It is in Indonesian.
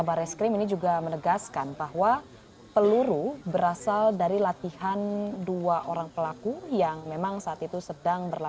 dan mengetahui bagaimana situasinya